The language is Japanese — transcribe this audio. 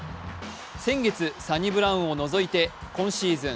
先月、サニブラウンを除いて今シーズン